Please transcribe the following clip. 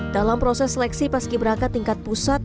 dalam proses seleksi paski beraka tingkat pusat